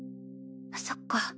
そっか。